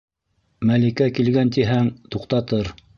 Мәликә килгән тиһәң, туҡтатыр.